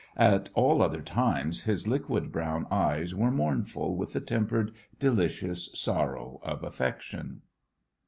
At all other times his liquid brown eyes were mournful with the tempered, delicious sorrow of affection.